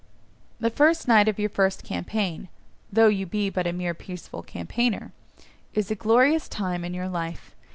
The first night of your first campaign (though you be but a mere peaceful campaigner) is a glorious time in your life.